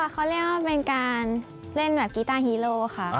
เขาเรียกว่าเป็นการเล่นแบบกีต้าฮีโร่ค่ะ